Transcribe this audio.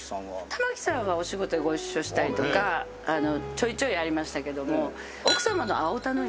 玉置さんはお仕事でご一緒したりとかちょいちょいありましたけども奥さまの青田典子ちゃん。